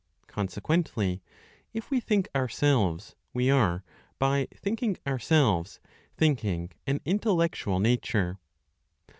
Consequently, if we think ourselves, we are, by thinking ourselves, thinking an intellectual nature.